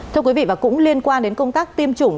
thưa quý vị và cũng liên quan đến công tác tiêm chủng